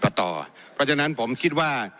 เพราะฉะนั้นผมคิดว่า